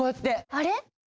あれ？